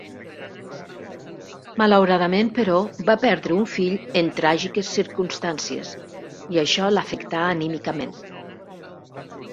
Malauradament, però, va perdre un fill en tràgiques circumstàncies i això l'afectà anímicament.